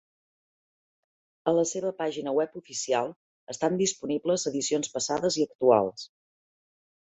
A la seva pàgina web oficial estan disponibles edicions passades i actuals.